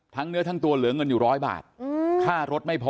เนื้อทั้งตัวเหลือเงินอยู่ร้อยบาทค่ารถไม่พอ